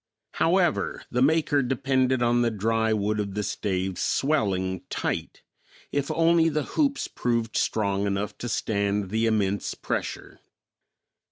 However, the maker depended on the dry wood of the staves swelling tight if only the hoops proved strong enough to stand the immense pressure.